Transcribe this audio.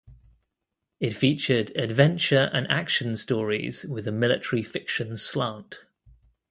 It featured adventure and action stories with a military fiction slant.